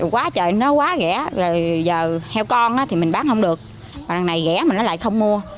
quá trời nó quá ghẻ giờ heo con thì mình bán không được còn đằng này ghẻ mà nó lại không mua